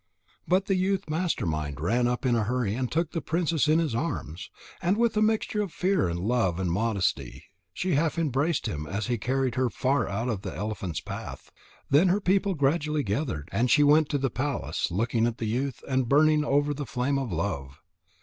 But the youth Master mind ran up in a hurry and took the princess in his arms. And with a mixture of fear and love and modesty she half embraced him as he carried her far out of the elephant's path. Then her people gradually gathered, and she went to the palace, looking at the youth, and burning over the flame of love.